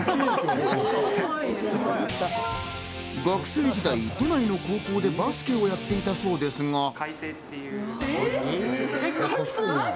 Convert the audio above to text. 学生時代、都内の高校でバスケをやっていたそうですが。